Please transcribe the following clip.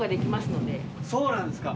そうなんですか。